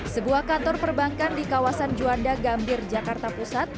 sebuah kantor perbankan di kawasan juanda gambir jakarta pusat